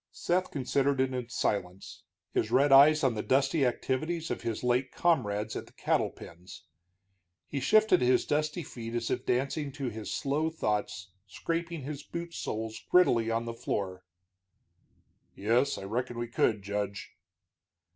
Seth considered it in silence, his red eyes on the dusty activities of his late comrades at the cattle pens. He shifted his dusty feet as if dancing to his slow thoughts, scraping his boot soles grittily on the floor. "Yes, I reckon we could, Judge."